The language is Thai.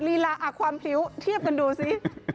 ลีลาความพริ้วเทียบกันดูสิ